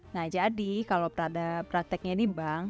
nah jadi kalau pada prakteknya di bank